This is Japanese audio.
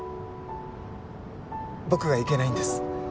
僕がいけないんです